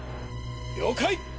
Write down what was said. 了解！